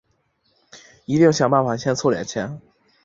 一定想办法先凑点钱